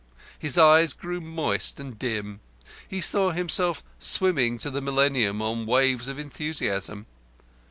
His eyes grew moist and dim. He saw himself swimming to the Millennium on waves of enthusiasm.